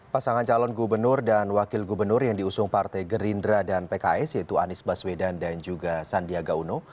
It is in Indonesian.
pasangan calon gubernur dan wakil gubernur yang diusung partai gerindra dan pks yaitu anies baswedan dan juga sandiaga uno